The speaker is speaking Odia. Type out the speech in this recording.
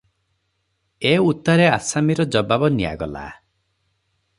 ଏ ଉତ୍ତାରେ ଆସାମୀର ଜବାବ ନିଆଗଲା ।